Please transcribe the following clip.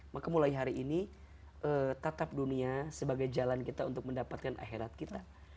maka mulai hari ini tatap dunia sebagai jalan kita untuk mendapatkan akhirat kita